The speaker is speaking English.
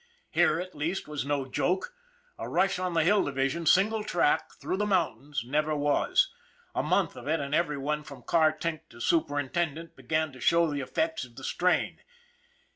Here, at least, was no joke a rush on the Hill Division, single track, through the mountains, never was. A month of it, and every one from car tink to superintendent began to show the effects of the strain.